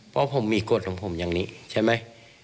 เพราะผมมีกฎของผมอย่างนี้ใช่ไหม